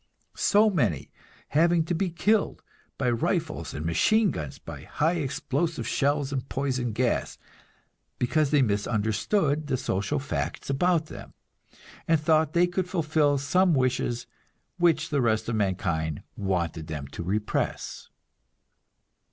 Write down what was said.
So many having to be killed, by rifles and machine guns, by high explosive shells and poison gas because they misunderstood the social facts about them, and thought they could fulfill some wishes which the rest of mankind wanted them to repress!